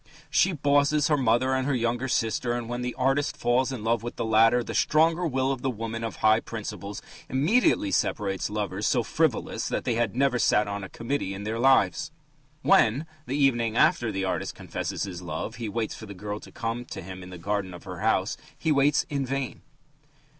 She "bosses" her mother and her younger sister, and when the artist falls in love with the latter, the stronger will of the woman of high principles immediately separates lovers so frivolous that they had never sat on a committee in their lives. When, the evening after the artist confesses his love, he waits for the girl to come to him in the garden of her house, he waits in vain.